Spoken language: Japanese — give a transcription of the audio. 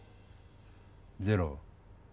ゼロ。